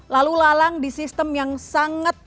lalu lalang di sistem yang sangat